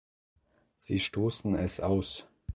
Sie stoßen es aus.